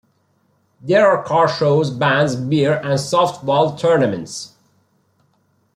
There are car shows, bands, beer, and softball tournaments.